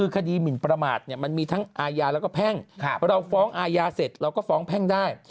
คดีหมินประมาทมันมีทั้งอาญาแล้วก็แพ่งเราฟ้องอาญาเสร็จเราก็ฟ้องแพ่งได้